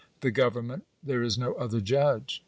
The government : there is no other judge.